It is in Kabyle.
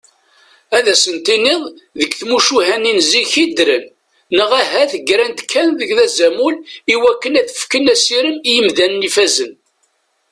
Ad s-tiniḍ deg tmucuha n zik i ddren neɣ ahat ggran-d kan d azamul iwakken ad ffken asirem i yimdanen ifazen.